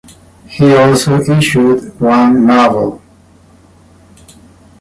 He also issued one novel.